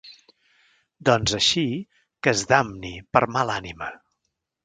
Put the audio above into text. -Doncs, així… que es damni per mala ànima!